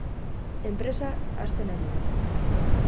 Enpresa hasten ari da.